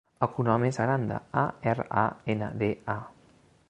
El cognom és Aranda: a, erra, a, ena, de, a.